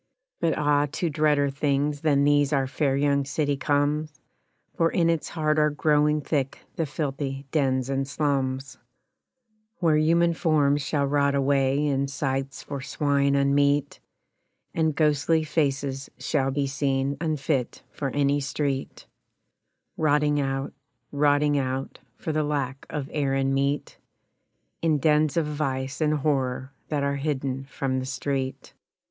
But, ah! to dreader things than these our fair young city comes, For in its heart are growing thick the filthy dens and slums, Where human forms shall rot away in sties for swine unmeet, And ghostly faces shall be seen unfit for any street Rotting out, rotting out, For the lack of air and meat In dens of vice and horror that are hidden from the street.